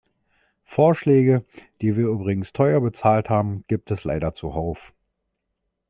Vorschläge, die wir übrigens teuer bezahlt haben, gibt es leider zuhauf.